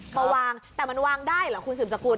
มาวางแต่มันวางได้เหรอคุณสืบสกุล